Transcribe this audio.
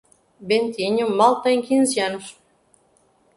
Bentinho mal tem quinze anos.